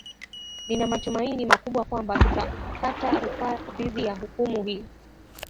nina matumaini makubwa kwamba tutakata rufaa dhidi ya hukumu hii